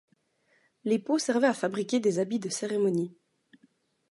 Les peaux servaient à fabriquer des habits de cérémonie.